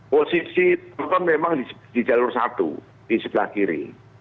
posisi trump memang di jalur satu di sebelah kiri